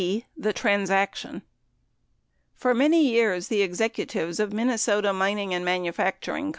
The Transaction For many years the executives of Minnesota Mining and Manufac turing Co.